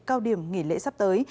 cao điểm nghỉ lễ sắp tới